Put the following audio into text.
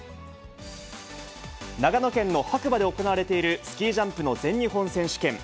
長野県の白馬で行われているスキージャンプの全日本選手権。